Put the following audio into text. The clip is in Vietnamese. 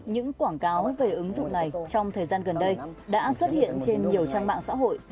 những quảng cáo về ứng dụng này trong thời gian gần đây đã xuất hiện trên nhiều trang mạng xã hội